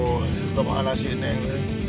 aduh kemana sih neng